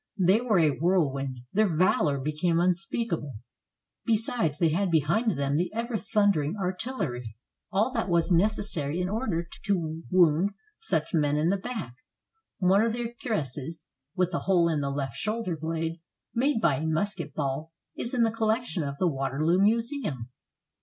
They were a whirl wind. Their valor became unspeakable. Besides, they had behind them the ever thundering artillery. All that was necessary in order to wound such men in the back. One of their cuirasses, with a hole in the left shoulder blade, made by a musket ball, is in the collection of the Waterloo Museum.